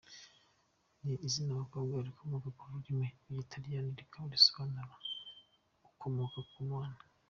Ni izina ry’abakobwa rikomoka ku rurimi rw’Ikilatini rikaba risobanura “ukomoka ku Mana”.